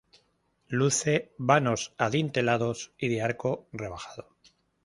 Luce vanos adintelados y de arco rebajado.